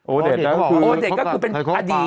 โอเด็ด